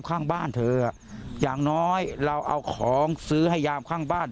ข้างบ้านเธออย่างน้อยเราเอาของซื้อให้ยามข้างบ้าน